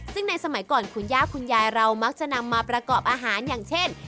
ซึ่งในสมัยก่อนคุณย่าคุณยายเรามักจะนำมาประกอบอาหารอย่างเช่น